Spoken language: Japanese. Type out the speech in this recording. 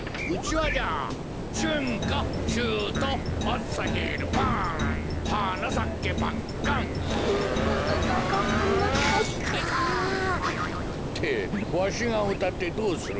ってわしがうたってどうする。